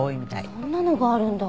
そんなのがあるんだ。